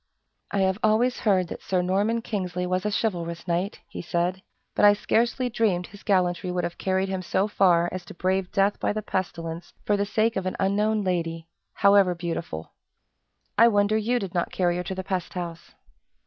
"I have always heard that Sir Norman Kingsley was a chivalrous knight," he said; "but I scarcely dreamed his gallantry would have carried him so far as to brave death by the pestilence for the sake of an unknown lady however beautiful. I wonder you did not carry her to the pest house."